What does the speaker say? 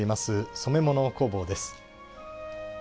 染め物工房です。